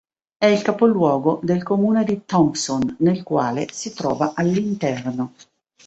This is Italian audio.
È il capoluogo del comune di Thompson, nel quale si trova all'interno.